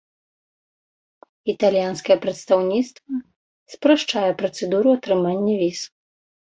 Італьянскае прадстаўніцтва спрашчае працэдуру атрымання віз.